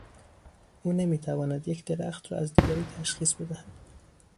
او نمیتواند یک درخت را از دیگری تشخیص بدهد.